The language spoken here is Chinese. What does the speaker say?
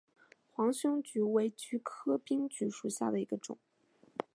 黄胸鹬为鹬科滨鹬属下的一个种。